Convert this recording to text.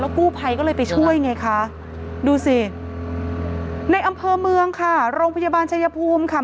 กู้ภัยก็เลยไปช่วยไงคะดูสิในอำเภอเมืองค่ะโรงพยาบาลชายภูมิค่ะ